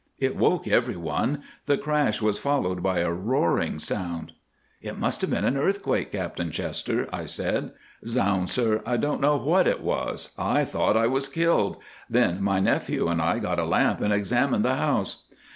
It woke everyone. The crash was followed by a roaring sound." "It must have been an earthquake, Captain Chester," I said. "Zounds, sir, I don't know what it was. I thought I was killed. Then my nephew and I got a lamp and examined the house.